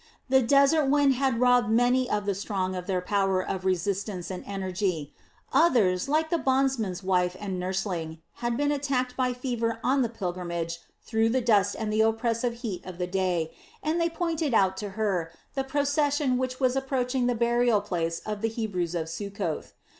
The desert wind had robbed many of the strong of their power of resistance and energy; others, like the bondman's wife and nursling, had been attacked by fever on the pilgrimage through the dust and the oppressive heat of the day, and they pointed out to her the procession which was approaching the burial place of the Hebrews of Succoth.